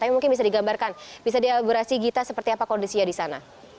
tapi mungkin bisa digambarkan bisa dielaborasi gita seperti apa kondisinya di sana